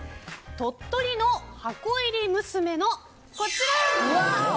鳥取の箱入り娘のこちら。